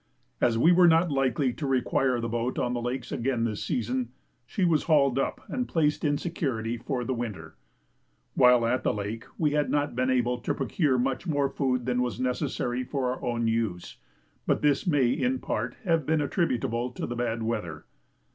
As we were not likely to require the boat on the lakes again this season, she was hauled up and placed in security for the winter. While at the lake we had not been able to procure much more food than was necessary for our own use, but this may in part have been attributable to the bad weather.